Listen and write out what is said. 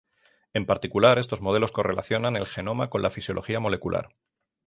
En particular, estos modelos correlacionan el genoma con la fisiología molecular.